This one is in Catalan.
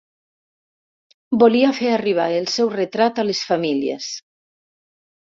Volia fer arribar el seu retrat a les famílies.